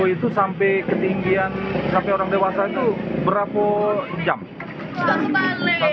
umurnya tetap yakin kita tidak dapat mendapatkan kesempatan mewah